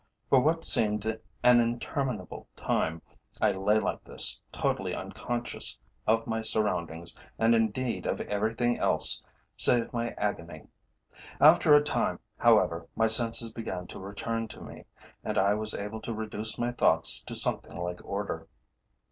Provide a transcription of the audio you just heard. For what seemed an interminable time, I lay like this, totally unconscious of my surroundings, and, indeed, of everything else save my agony. After a time, however, my senses began to return to me, and I was able to reduce my thoughts to something like order.